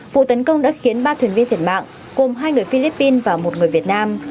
vụ tấn công đã khiến ba thuyền viên thiệt mạng cùng hai người philippines và một người việt nam